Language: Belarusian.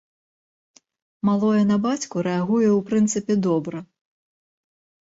Малое на бацьку рэагуе ў прынцыпе добра.